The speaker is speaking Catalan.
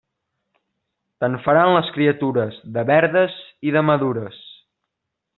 Te'n faran, les criatures, de verdes i de madures.